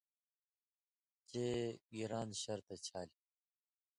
چے گِران شرطہ چھالیۡ،